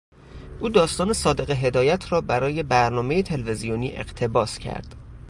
او داستان صادق هدایت را برای برنامهی تلویزیونی اقتباس کرد.